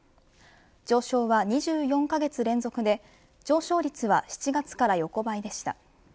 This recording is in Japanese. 上昇は２４カ月連続で上昇率は７月から横ばいでした。